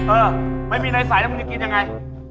เออไม่มีอะไรใส่แล้วมึงจะกินยังไง